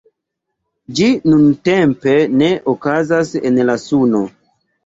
Ĝi nuntempe ne okazas en la Suno.